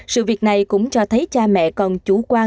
sự việc này cũng cho thấy cha mẹ còn chủ quan